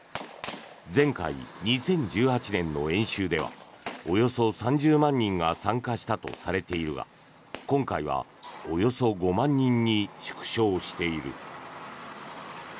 前回２０１８年の演習ではおよそ３０万人が参加したとされているが今回はおよそ５万人に縮小している。